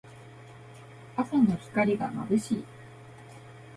朝の光がまぶしい。